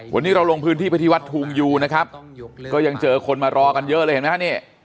วันนี้เราลงพื้นที่ไปที่วัดทูงยูนะครับก็ยังเจอคนมารอกันเยอะเลยเห็นไหมฮะนี่